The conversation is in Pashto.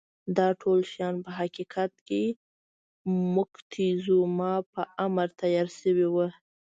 دا ټول شیان په حقیقت کې د موکتیزوما په امر تیار شوي وو.